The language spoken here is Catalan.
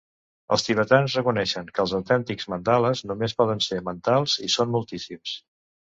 Els tibetans reconeixen que els autèntics mandales només poden ser mentals, i són moltíssims.